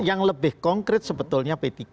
yang lebih konkret sebetulnya p tiga